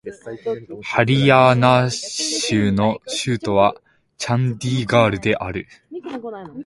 ハリヤーナー州の州都はチャンディーガルである